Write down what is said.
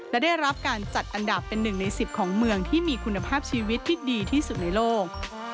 และได้รับการจัดอันดับเป็น๑ใน๑๐ของเมืองที่มีคุณภาพชีวิตที่ดีที่สุดในโลก